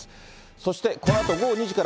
そしてこのあと午後２時から、